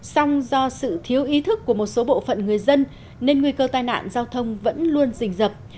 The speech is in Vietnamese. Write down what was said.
song do sự thiếu ý thức của một số bộ phận người dân nên nguy cơ tai nạn giao thông vẫn luôn rình rập